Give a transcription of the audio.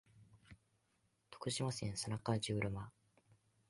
徳島県佐那河内村